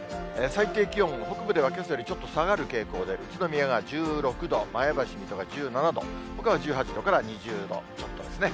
最低気温、北部ではけさよりちょっと下がる傾向で、宇都宮が１６度、前橋、水戸が１７度、ほかは１８度から２０度ちょっとですね。